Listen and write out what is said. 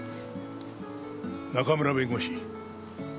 中村弁護士。